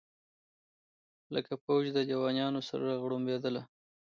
لکه فوج د لېونیانو غړومبېدله